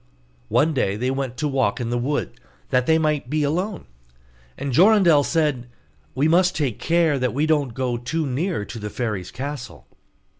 One day they went to walk in the wood, that they might be alone; and Jorindel said, 'We must take care that we don't go too near to the fairy's castle.